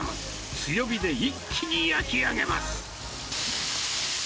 強火で一気に焼き上げます。